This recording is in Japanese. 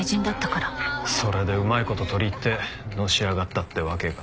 それでうまい事取り入ってのし上がったってわけか。